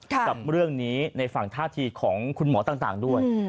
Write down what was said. กับเรื่องนี้ในฝั่งท่าทีของคุณหมอต่างด้วย